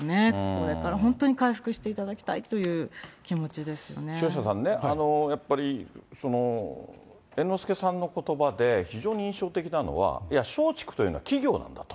これから本当に回復していただき城下さんね、やっぱり猿之助さんのことばで非常に印象的なのは、いや、松竹というのは企業なんだと。